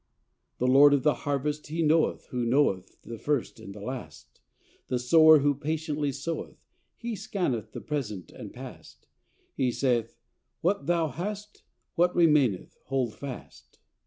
The Lord of the harvest, He knoweth Who knoweth the first and the last: The Sower who patiently soweth, He scanneth the present and past: He saith, " What thou hast, what remaineth, hold fast."